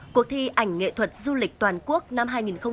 cuộc thi ảnh nghệ thuật du lịch toàn quốc năm hai nghìn một mươi tám